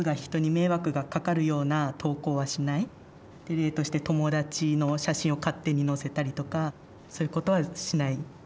例として友達の写真を勝手にのせたりとかそういうことはしない。